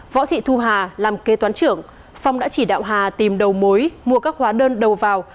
võ thị thu hà làm kế toán trưởng phong đã chỉ đạo hà tìm đầu mối mua các hóa đơn đầu vào